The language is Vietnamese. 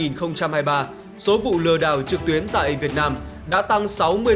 năm hai nghìn hai mươi ba số vụ lừa đảo trực tuyến tại việt nam đã tăng sáu mươi bốn bảy mươi tám